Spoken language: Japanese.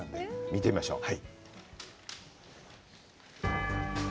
見てみましょう。